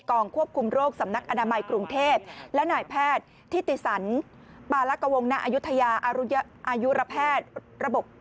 ควบคุมโรคสำนักอนามัยกรุงเทพและนายแพทย์ทิติสันปาลักวงณอายุทยาอายุระแพทย์ระบบ